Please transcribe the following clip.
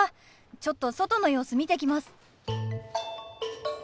ちょっと外の様子見てきます。